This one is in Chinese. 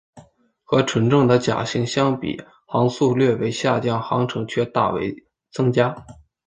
和纯正的甲型相比航速略为下降航程却大为增加。